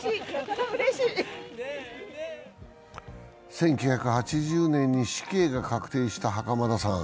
１９８０年に死刑が確定した袴田さん。